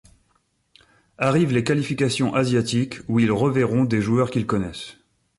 Arrivent les qualifications asiatiques où ils reverront des joueurs qu'ils connaissent.